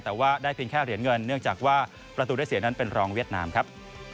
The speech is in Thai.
แต่ว่าได้เพียงแค่เหรียญเงินเนื่องจากว่าประตูได้เสียนั้นเป็นรองเวียดนามครับ